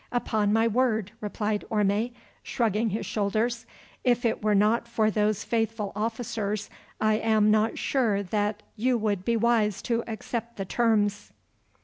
"Upon my word," replied Orme, shrugging his shoulders, "if it were not for those faithful officers I am not sure but that you would be wise to accept the terms.